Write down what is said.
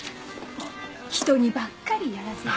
人にばっかりやらせて。